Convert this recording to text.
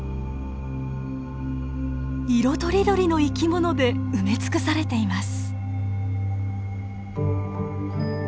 色とりどりの生き物で埋め尽くされています。